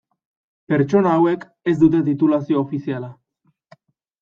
Pertsonak hauek ez dute titulazio ofiziala.